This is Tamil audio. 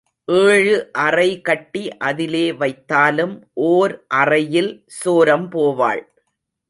ஏழு அறை கட்டி அதிலே வைத்தாலும் ஓர் அறையில் சோரம் போவாள்.